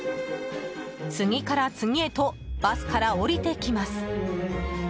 次から次へとバスから降りてきます。